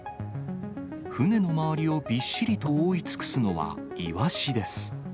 船の周りをびっしりと覆い尽くすのはイワシです。